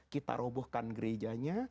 kita robohkan gerejanya